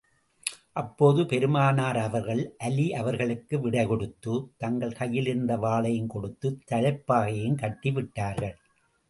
அப்போது பெருமானார் அவர்கள், அலீ அவர்களுக்கு விடை கொடுத்து, தங்கள் கையிலிருந்த வாளையும் கொடுத்துத் தலைப்பாகையையும் கட்டி விட்டார்கள்.